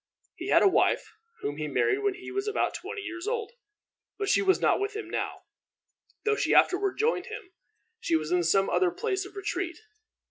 He had a wife, whom he married when he was about twenty years old; but she was not with him now, though she afterward joined him. She was in some other place of retreat.